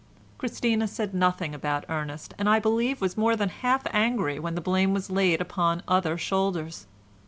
Christina said nothing about Ernest, and I believe was more than half angry when the blame was laid upon other shoulders.